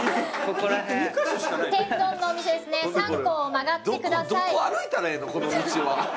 この道は。